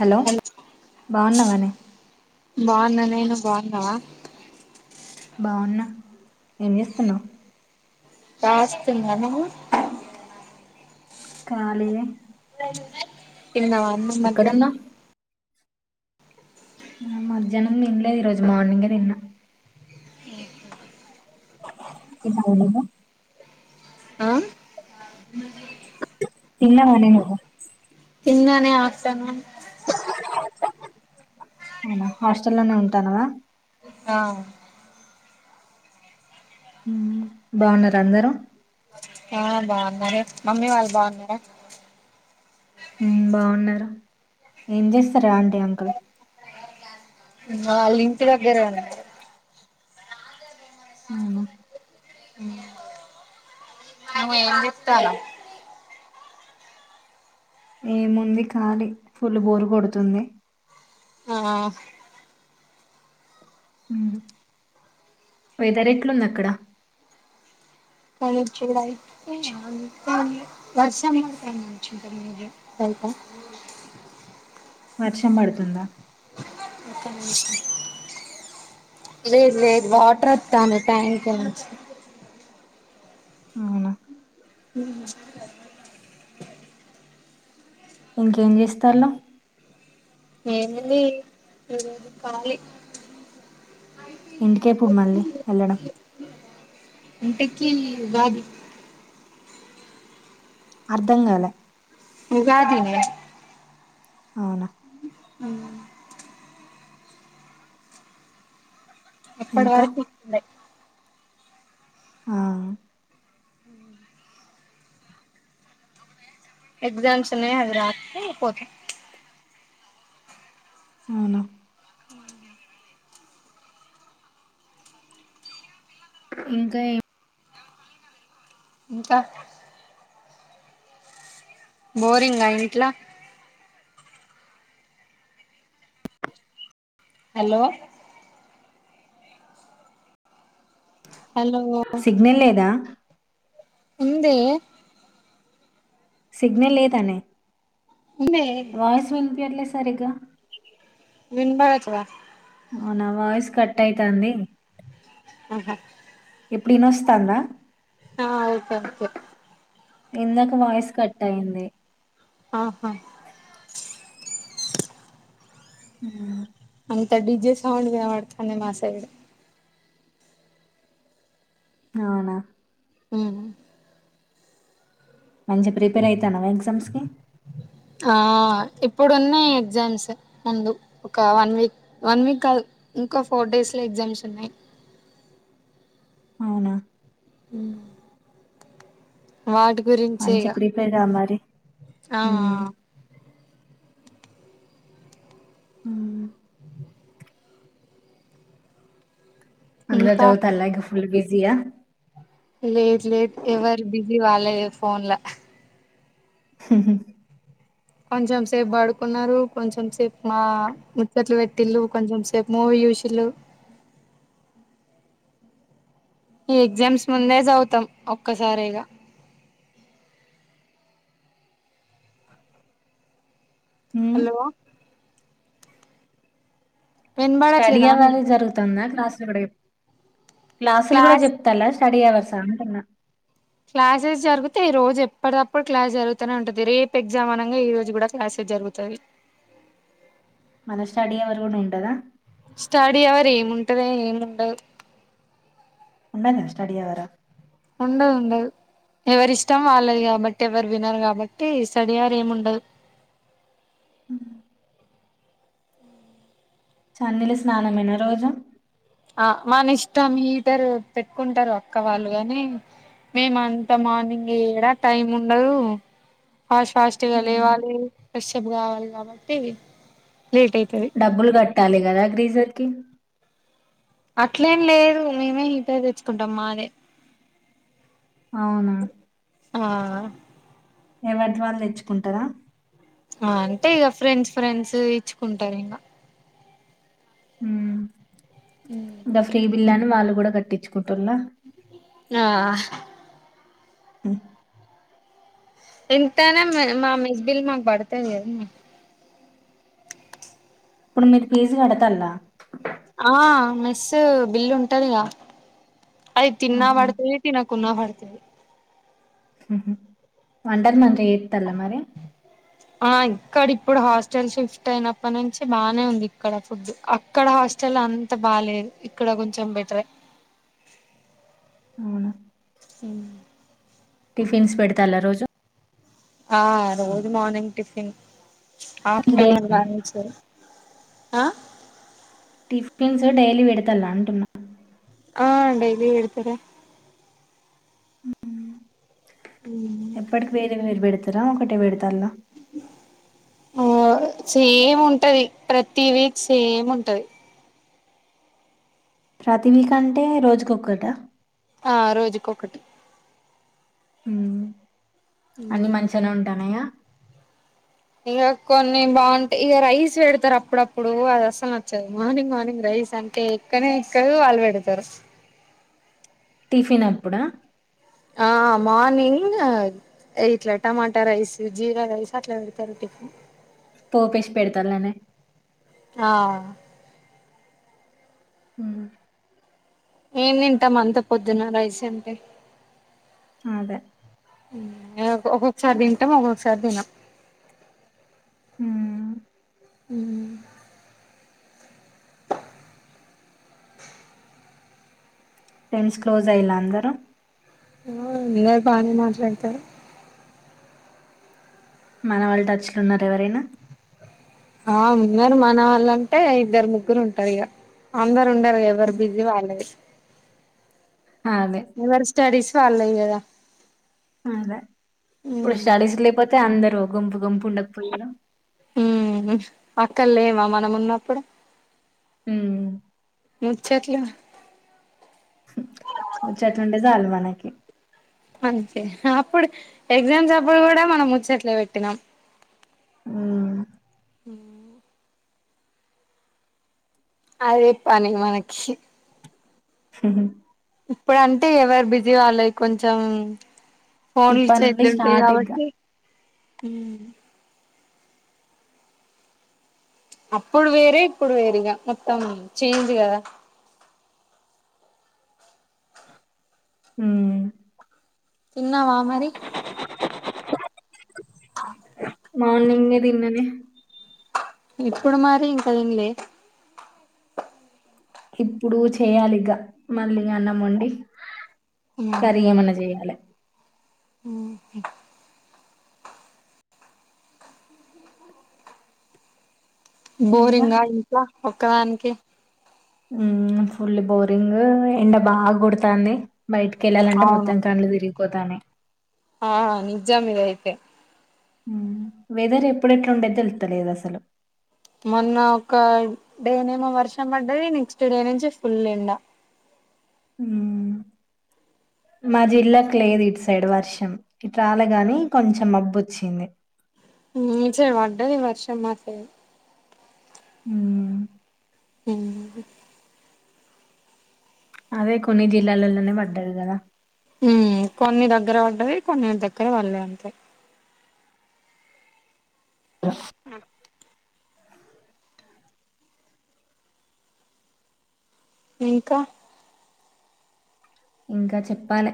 Hello బాన్నావానే బాన్నా బావున్నా ఏం జెస్తన్నావ్ కాస్తుందనా కాలియె తిన్నవా అన్నం మద్యానం ఎక్కడున్నా ఆ మధ్యాహ్నం తిన్లేదు ఈ రోజు మార్నింగే తిన్న. తిన్నావ లేదా ఆ తిన్నావనే నువ్వు తిన్నానే ఆఫ్టర్నూన్ అవునా హాస్టల్ లోనే ఉంటన్నవా అ ఉమ్ బాన్నారా అందరూ ఆ బాన్నారు మమ్మీ వాళ్ బాన్నార? ఉమ్ బావున్నారు ఏం జేస్తర్ అంటీ అంకల్ వాలి ఇంటి దగ్గరే ఉన్న అవునా ఎమో ఏం జెప్తన్నావ్ ఏ ముంది కాలి ఫుల్ బోరు కొడుతుంది ఆ ఉమ్ వెదర్ ఎట్లుంది అక్కడ అడొచ్చే లైట్ కి [unintelligible] వర్షం బడ్తాంది అనుకుంట మే బీ బైట వర్షం పడుతుందా లేద్ లేద్ వాటర్ ఒత్తాంది ట్యాంక్ నుంచి అవునా ఇంకేం జేస్తర్లో ఏముంది ఇంటి దగ్గర కాళీ ఇంటికేప్పుడు మళ్ళీ ఎళ్ళడం ఇంటకి ఉగాది అర్ధం గాల ఉగాది నే అవునా ఇప్పుడి ఇంకా వరకు [unintelligible] ఆ ఎగ్జామ్స్ ఉన్నాయి అవి రాసి పోత అవునా ఇంకా ఇ ఇంకా బోరింగ్ ఆ ఇంట్లో హలో హలో సిగ్నల్ లేదా ముందే. సిగ్నల్ లేదనే. ఉందే వాయిస్ వినిపియట్లే. సరిగా వినుపడొచ్చుగా. అవునా వాయిస్ కటైతుంది. ఆహా‌ హ్. వినోత్సోందా. ఆహ్ ఓకే ఓకే. ఇందాక వాయిస్ కట్ అయింది. ఆహా. ఉమ్ అంత డిజే సౌండ్ వినబడుతుంది మా సైడ్. అవునా. మంచి ప్రిపేర్ అయితన్నావా ఎగ్జామ్స్ కి ఆహ్ ఇప్పుడు ఉన్నాయి ఎగ్జామ్స్ ముందు ఒక వన్ వీక్ వన్ వీక్ కాదు. ఇంకా ఫోర్ డేస్ లో ఎగ్జామ్స్ ఉన్నాయి. అవునా ఉమ్ వాటిక్ మంచిగా ప్రీపేర్ గా మరి. ఆ ఉమ్ అందరూ ఇంకా చదువుతారు లెగ్గు. ఫుల్ బిజీయా. లేదు లేదు ఎవరు బిజీ వాలే ఫోన్ల. ఉహూ. కొంచెం సేపు పాడుకున్నారు. కొంచెం సేపు మా ముచ్చట్లు పెట్టింళు. కొంచెం సేపు మూవీ చూసింలు. ఈ ఎగ్జామ్స్ ముందే చదువుతాం ఒక్కసారిగా. హలో. స్టడీ వినబడట్లేదానే అవర్ జరుగుతుందా క్లాస్ కి కూడా చెప్. క్లాసులు కూడా క్లాస్ చెప్తాలా. స్టడీ అవర్స్ అంటున్నా. క్లాసెస్ జరిగితే ఈ రోజు ఎప్పటికప్పుడు క్లాస్ జరుగుతనే ఉంటది. రేపు ఎగ్జామ్ అనగా ఈ రోజు కూడా క్లాసెస్ జరుగుతది. మన స్టడీ అవర్ కూడా ఉంటదా. స్టడీ అవరు ఏముంటది ఏముండదు. ఉండానే స్టడి అవర్ ఆ. ఉండదుండదు ఎవరి ఇష్టం వాళ్ళది కాబట్టి ఎవరు వినరు కాబట్టి స్టడీ అవర్ ఏమి ఉండదు. చన్నీళ్లు స్నానమేనా రోజు. ఆ మన ఇష్టం హీటర్ పెట్టుకుంటారు అక్క వాళ్ళు కాని మేము అంతా మార్నింగ్ ఎడా టైం ఉండదు. ఫాస్ట్ ఫాస్ట్గా లేవాలి ఫ్రెష్ అప్ కావాలి కాబట్టి. లేట్ అయితది డబ్బులు కట్టాలి కదా గ్రీజర్ కి. అట్లేం లేదు మేమే హీటర్ తెచ్చుకుంటాం మాదే. అవునా ఆహ్. ఎవరిది వాళ్ళు తెచ్చుకుంటారా. ఆహ్ అంటే ఇంకా ఫ్రెండ్స్ ఫ్రెండ్స్ ఇచ్చుకుంటారు ఇంకా. ద ఫ్రీ బిల్లని వాళ్ళు కూడా కట్టించుకుంటుల్ల ఆ ఆ ఎంతైనా మా మెస్బిల్ మాకు పడతది కదా ఇప్పుడు మీరు ఫీస్ కడతాళ్ళ ఆ మెస్సు బిల్లు ఉంటదిగా అది తిన్నా ఆహా పడుతది తినకున్నా పడుతది హహ వంటలు మంచిగా చెత్తాల్లా మరి ఆ ఇక్కడ ఇప్పుడు హాస్టల్ షిఫ్ట్ అయినప్ప నుంచి బానే ఉంది ఇక్కడ ఫుడ్ అక్కడ హాస్టల్ అంత బాలేేదు ఇక్కడ కొంచెం బెటరే అవును ఆ టిఫిన్స్ పెడతాలా రోజు ఆ రోజు morning tiffin afternoon daily lunch ఆ టిఫిన్స్ డైలీ పెడతల అంటున్నా ఆ డైలీ పెడతరే ఎప్పటికి వేరే వేరు పెడతారు తరా ఒకటే పెడుతాల్ల ఆ సేమ్ ఉంటది ప్రతి వీక్ సేమ్ ఉంటది ప్రతి వీక్ అంటే రోజుకొక్కట ఆ రోజుకి ఒకటి హూ అన్ని మంచిగానే ఉంటానయా ఇక కొన్ని బాగుంటయి ఇగా రైస్ పెడతరు అప్పుడప్పుడు అది అసలు నచ్చదు మార్నింగ్ మార్నింగ్ రైస్ అంటే ఎక్కనే ఎక్కదు వాళ్ళు పెడతారు టిఫిన్ అప్పుడా ఆ మార్నింగ్ ఇట్లా టమాటా రైస్ జీరా రైస్ అట్లా పెడతారు టిఫిన్ పోపేసి పెడతాలనే ఆ హూ ఏ తింటం అంత పొద్దున్న రైస్ అంటే అదే ఒక్కొక్కసారి తింటాం ఒక్కొక్కసారి తినం హూ హూ ఫ్రెండ్స్ క్లోజ్ అయిల్ అందరు ఆ అందరూ బానే మాట్లాడుతారు మన వాళ్ళు టచ్ల ఉన్నారా ఎవరైనా ఆ ఉన్నారు మన వాళ్ళంటే ఇద్దరు ముగ్గురు ఉంటరు ఇక అందరు ఉండరు గా ఎవరు బిజీ వాళ్ళది అదే. ఎవరి స్టడీస్ వాళ్ళయి కదా అదే ఇప్పుడు స్టడీస్ లేపోతే అందరు గుంపుగుంపు ఉండకపోయేదా ఉను అక్కడ లేమా మనం ఉన్నప్పుడు అవును ముచ్చట్లు ముచ్చట్లు ఉంటే చాలు మనకి అంతే అప్పుడు ఎగ్జామ్స్ అప్పుడు కూడా మనం ముచ్చట్లు పెట్టినాం హ్మ్. అదే పని మనకి హ్మ్ ఇప్పుడుంటే ఎవరు బిజీ వాళ్ళది కొంచెం ఫోన్లు ఇప్పటి నుండి చేతులొ ఉంటాయి స్టార్ట్ ఇగ. కాబట్టి ఉన్ అప్పుడు వేరే ఇప్పుడు వేరుగా మొత్తం చేంజ్ కదా మూ తిన్నావా మరి మార్నింగ్ ఏ తిన్నా నేను ఇప్పుడు మరి ఇంకా ఇన్ లే ఇప్పుడు చేయాలి ఇగ మళ్ళీ అన్నం వండి కర్రీ ఏమన్నా చేయాలె ఉహు ఇంగా? బోరింగ్ అంత ఒక్కదానికి ఫుల్ బోరింగ్ ఎండ బాగా కొడుతాంది బయటికి వెళ్ళాలంటే అవును మొత్తం కన్లు తిరిగు పొతానే ఆ నిజాం ఇది అయితే వెదర్ ఎప్పుడెట్లాండేది తెలుతలేదు అసలు మొన్న ఒక డేనేమో వర్షం పడ్డది నెక్స్ట్ డే నుంచి ఫుల్ ఎండా మా జిల్లాకు లేదు ఇటు సైడ్ వర్షం ఇటు రాలే గాని కొంచెం మబ్బు వచ్చింది కొంచెం పాడ్డాది వర్షం మాకు అవున అవునండీ అదే కొన్ని జిల్లాలలోనే పడ్డాది కదా కొన్ని దగ్గర పడ్డది కొన్ని దగ్గర పల్లే అంతే [inaudible] ఇంకా ఇంకా చెప్పాలే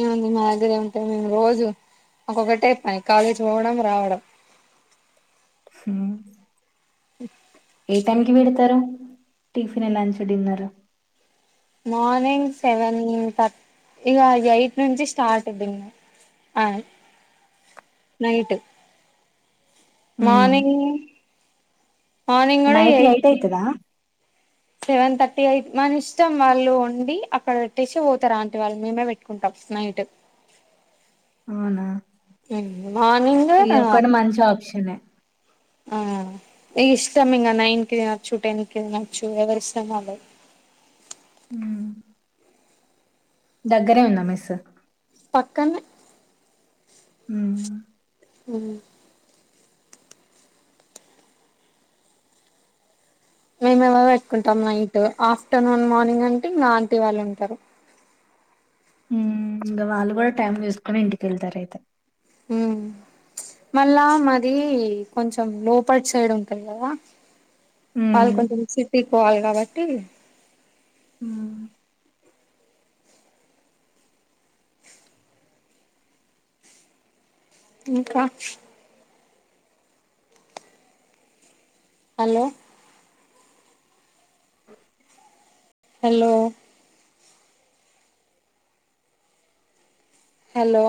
ఏముంది మా దగ్గర ఏమింటే మేము రోజు ఒక్కొక్కటి అయి పని కాలేజీ పోవడం రావడం హ్మ్ ఉప్ ఏ టైమ్ కి పెడతారు tiffin lunch dinner morning seven థాట్ ఇగ ఎయిట్ నుంచి స్టార్ట్ డిన్నార్ హ్మ్ ఆ మార్నింగ్ కూడా నైట్ ఎయిట్ అయితదా సెవెన్ థర్టీ అయి మన ఇష్టం వాళ్ళు వండి అక్కడ పెట్టేసి పోతారు ఆంటి వాళ్ళు మేమే పెట్టుకుంటాం నైట్ వునా మా నింగే మంచి ఆప్షనే ఆ ఇస్తాం ఇంగ నైన్ కి తినొచ్చు టెన్ కి తినొచ్చు ఎవరి ఇష్టం వాళ్ళది. హ్మ్ దగ్గరే ఉందా మెస్ పక్కన్నె మ్ మ్ మేమేమో పెట్టుకుంటాం నైట్ ఆఫ్టర్నూన్ మార్నింగ్ అంటే ఇంగా ఆంటీ వాళ్ళు ఉంటారు. మ్ ఇంకా వాళ్ళు కూడా టైమ్ తీసుకుని ఇంటికెళ్తారు అయితే మ్ మళ్ళా మాది కొంచెం లోపల సైడ్ ఉంటుంది కదా వాళ్ళు హ్మ్. కొంచెం సిటికి పోవాలి కాబట్టి హ్మ్. ఇంకా హలో హలో హలో